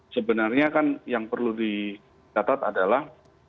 sebenarnya kan yang perlu dicatat adalah